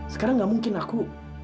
sekarang ga mungkin aku